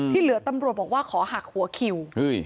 เหลือตำรวจบอกว่าขอหักหัวคิว